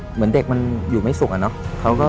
เหมือนเด็กมันอยู่ไม่สุขอะเนาะ